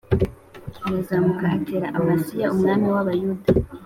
arazamuka atera Amasiya umwami w Abayuda